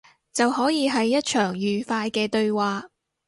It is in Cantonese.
就可以係一場愉快嘅對話